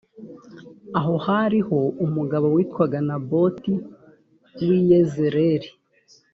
aho hariho umugabo witwaga naboti w i yezereli